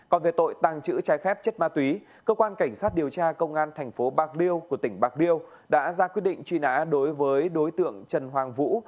còn về tội tàng trữ trái phép chất ma túy cơ quan cảnh sát điều tra công an thành phố bạc liêu của tỉnh bạc liêu đã ra quyết định truy nã đối với đối tượng trần hoàng vũ